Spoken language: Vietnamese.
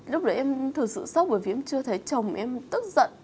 lúc đấy em thực sự sốc bởi vì em chưa thấy chồng em tức giận